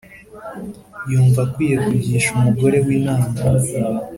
yumva akwiye kugisha umugore we inama,